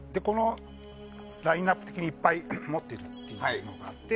ラインアップ的にいっぱい持っているのもあって。